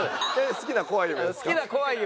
好きな怖い夢。